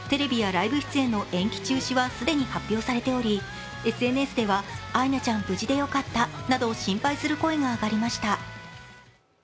テレビやライブ出演の延期中止は既に発表されておりＳＮＳではアイナちゃん無事でよかったなど心配する声が上がりました。